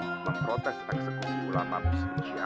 dalam protes terksekusi ulama muslim syia